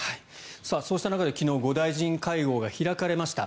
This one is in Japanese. そうした中で昨日５大臣会合が開かれました。